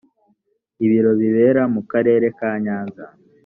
ibirori bibera mu karere ka nyanza.